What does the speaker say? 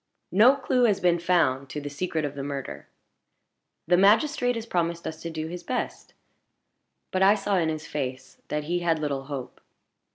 "No clue has been found to the secret of the murder. The magistrate has promised us to do his best; but I saw in his face that he had little hope.